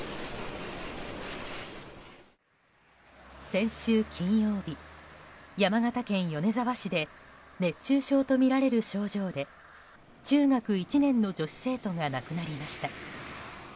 先週金曜日、山形県米沢市で熱中症とみられる症状で中学１年の女子生徒が亡くなりました。